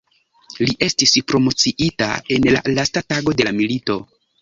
Li estis promociita en la lasta tago de la milito.